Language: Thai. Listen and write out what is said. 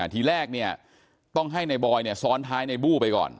ทีแรกต้องให้นายบอยซ้อนท้ายนายบู่ไปก่อน